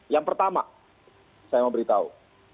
yang pertama saya mau beritahu